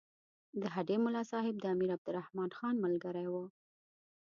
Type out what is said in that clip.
د هډې ملاصاحب د امیر عبدالرحمن خان ملګری وو.